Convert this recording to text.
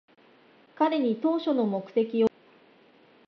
彼に当初の目的を思い出させようとした。でも、彼は聞かなかった。